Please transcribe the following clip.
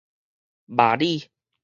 峇里